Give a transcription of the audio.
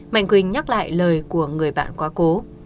mạnh quỳnh nhắc lại lời của người bạn quá cố